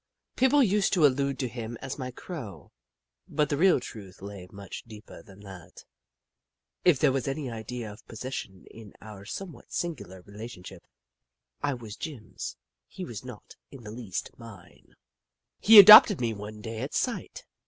People used to allude to him as my Crow, but the real truth lay much deeper than that. If there was any idea of possession in our somewhat singular relationship, I was Jim's — he was not in the least mine. He adopted me one day at sight.